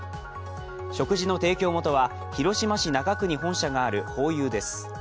食事の提供元は広島市中区に本社があるホーユーです。